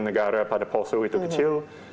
negara pada poso itu kecil